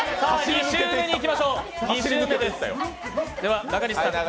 ２周目にいきましょう。